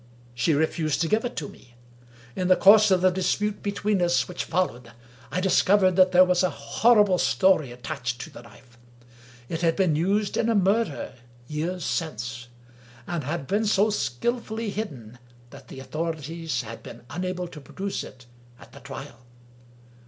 She refused to give it to me. In the course of the dispute between us which followed, I discovered that there was a horrible story at tached to the knife. It had been used in a murder — years since — ^and had been so skillfully hidden that the authorities had been unable to produce it at the trial.